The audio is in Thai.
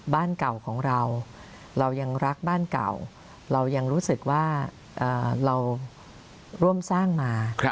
บ้านเก่าของเราเรายังรักบ้านเก่าเรายังรู้สึกว่าเราร่วมสร้างมา